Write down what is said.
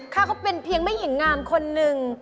ค่ะเขาเป็นเพียงไม่หญิงงามคนนึง